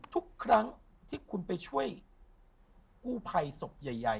ทุกครั้งที่คุณไปช่วยกู้ภัยศพใหญ่